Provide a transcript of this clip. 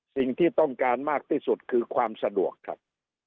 สิ่งที่ต้องการมากที่สุดคือความสะดวกครับ